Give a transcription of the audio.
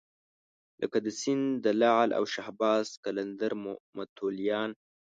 لکه د سیند د لعل او شهباز قلندر متولیان.